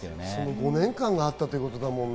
５年間があったということだもんね。